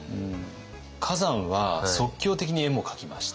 崋山は即興的に絵も描きました。